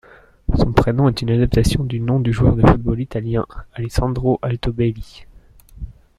Son prénom est une adaptation du nom du joueur de football italien, Alessandro Altobelli.